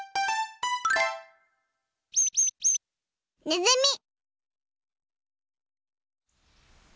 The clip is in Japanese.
ねずみ。